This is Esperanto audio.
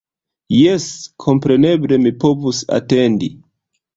Jes, kompreneble mi povus atendi.